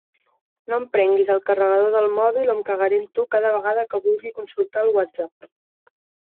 No em prenguis el carregador del mòbil o em cagaré en tu cada vegada que vulgui consultar el Whatsapp.